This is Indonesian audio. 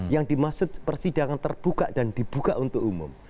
yang dimaksud persidangan terbuka dan dibuka untuk umum